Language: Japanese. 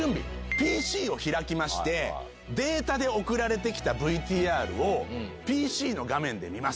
ＰＣを開きましてデータで送られてきたＶＴＲをＰＣの画面で見ます。